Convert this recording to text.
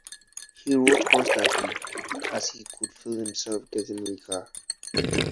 He wrote constantly, as he could feel himself getting weaker.